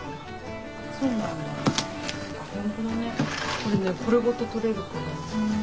これねこれごととれるから。